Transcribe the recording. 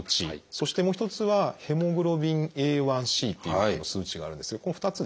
そしてもう一つは「ＨｂＡ１ｃ」という数値があるんですけどこの２つですね。